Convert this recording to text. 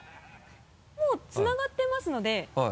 もうつながってますので。